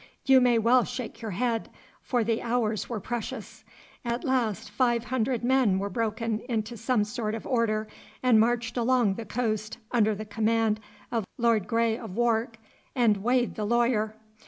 You may well shake your head, for the hours were precious. At last five hundred men were broken into some sort of order, and marched along the coast under command of Lord Grey of Wark and Wade the lawyer.